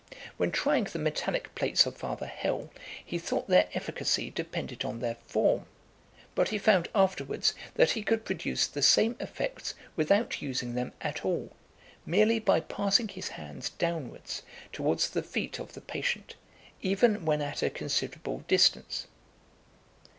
When trying the metallic plates of Father Hell, he thought their efficacy depended on their form; but he found afterwards that he could produce the same effects without using them at all, merely by passing his hands downwards towards the feet of the patient, even when at a considerable distance.